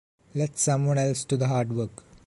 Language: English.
Let someone else to the hard work.